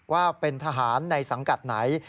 ว่าเป็นทหารในสังกัดไหน